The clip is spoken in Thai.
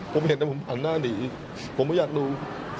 ผมเห็นแต่ผมหันหน้าหนีผมไม่อยากดู